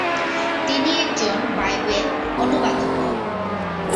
তিনি একজন বাইবেল অনুবাদকও।